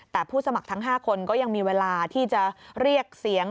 แต่ผู้สมัครทั้ง๕คนก็ยังมีเวลาที่จะเรียกเสียง